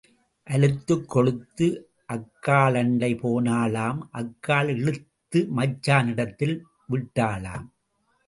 அலுத்துக் கொழுத்து அக்காளண்டை போனாளாம் அக்காள் இழுத்து மச்சானிடத்தில் விட்டாளாம்.